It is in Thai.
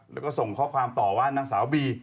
แล้วก็ส่งข้อความต่อว่านางสาวบี